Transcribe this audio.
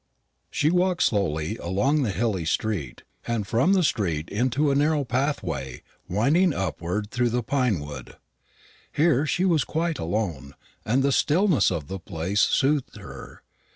She walked slowly along the hilly street, and from the street into a narrow pathway winding upward through the pine wood. Here she was quite alone, and the stillness of the place soothed her.